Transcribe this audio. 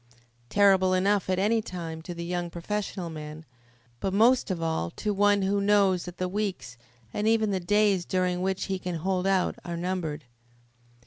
Terrible enough at any time to the young professional man, but most of all to one who knows that the weeks, and even the days during which he can hold out are numbered.